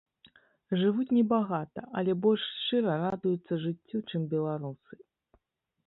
Жывуць небагата, але больш шчыра радуюцца жыццю, чым беларусы.